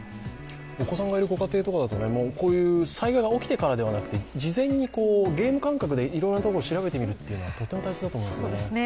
お子さんがいるご家庭とかだと災害が起きてからではなくて、事前にゲーム感覚でいろいろなところを調べてみるのはとっても大切ですね。